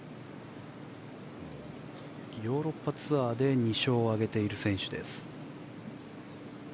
ヨーロッパツアーで２勝を挙げている選手です。